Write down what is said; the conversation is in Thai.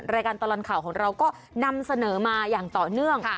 รายการตลอดข่าวของเราก็นำเสนอมาอย่างต่อเนื่อง